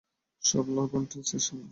সব La Fontaines এর সামনে?